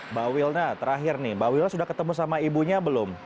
mbak wilna terakhir nih mbak will sudah ketemu sama ibunya belum